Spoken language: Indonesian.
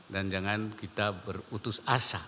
jangan kita berutus asa